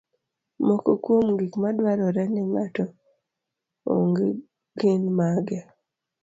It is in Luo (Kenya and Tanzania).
Moko kuom gik madwarore ni ng'ato ong'e gin mage?